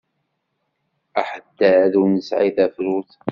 Aḥeddad ur nesɛi tafrut.